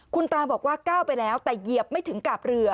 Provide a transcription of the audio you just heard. คุณตาบอกว่าก้าวไปแล้วแต่เหยียบไม่ถึงกาบเรือ